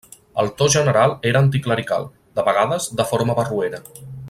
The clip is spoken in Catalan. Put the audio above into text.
El to general era anticlerical, de vegades de forma barroera.